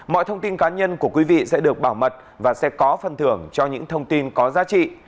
mọi thông tin cá nhân của quý vị sẽ được bảo mật và sẽ có phần thưởng cho những thông tin có giá trị